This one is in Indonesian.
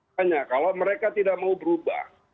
hanya kalau mereka tidak mau berubah